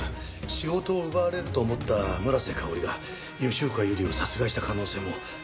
仕事を奪われると思った村瀬香織が吉岡百合を殺害した可能性も否定は出来ません。